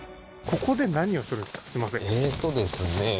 えーっとですね